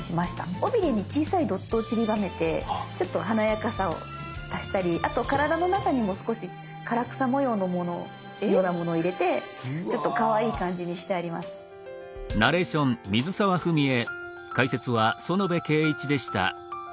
尾ビレに小さいドットをちりばめてちょっと華やかさを足したりあと体の中にも少し唐草模様のようなものを入れてちょっとかわいい感じにしてあります。